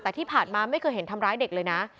แต่ที่ผ่านมาไม่เคยเห็นทำร้ายเด็กเลยนะ